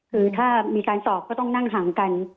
คือถ้ามีการสอบก็ต้องนั่งห่างกัน